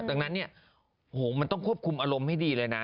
ดังนั้นเนี่ยโอ้โหมันต้องควบคุมอารมณ์ให้ดีเลยนะ